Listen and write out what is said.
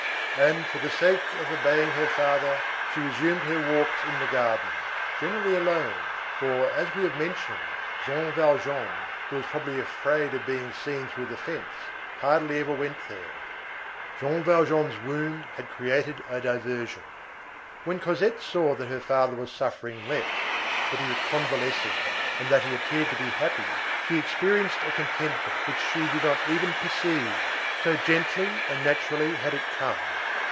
And for the sake of obeying her father, she resumed her walks in the garden, generally alone, for, as we have mentioned, Jean Valjean, who was probably afraid of being seen through the fence, hardly ever went there. Jean Valjean's wound had created a diversion. When Cosette saw that her father was suffering less, that he was convalescing, and that he appeared to be happy, she experienced a contentment which she did not even perceive, so gently and naturally had it come.